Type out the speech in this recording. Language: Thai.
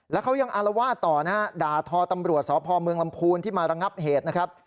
แล้วเขายังอารวาสต่อนะฮะด่าทอตำรวจสพเมืองลำพูนที่มาระงับเหตุนะครับ